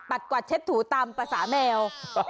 ปัดกวัดเช็ดถูต่ำภาษาแมว